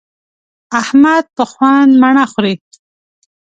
احمد په خوند مڼه خوري.